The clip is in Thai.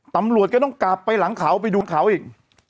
ตำรวจก็ต้องกลับไปหลังเขาไปดูเขาอีก